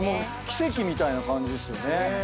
奇跡みたいな感じですよね。